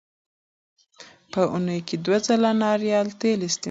په اونۍ کې دوه ځله ناریال تېل استعمال کړئ.